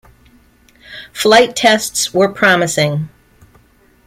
Flight tests were promising.